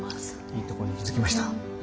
いいとこに気付きました。